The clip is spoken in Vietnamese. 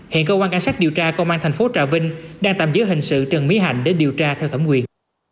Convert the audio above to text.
hiện cơ quan cảnh sát điều tra công an thành phố trà vinh đang tạm giữ hình sự trần mỹ hạnh để điều tra theo thẩm quyền